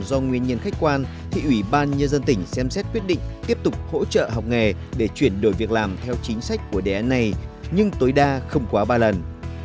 do nguyên nhân khách quan thì ủy ban nhân dân tỉnh xem xét quyết định tiếp tục hỗ trợ học nghề để chuyển đổi việc làm theo chính sách của đề án này nhưng tối đa không quá ba lần